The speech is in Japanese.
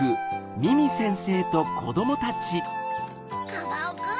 ・カバオくん